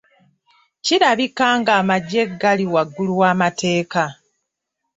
Kirabika ng'amaggye gali waggulu w'amateeka.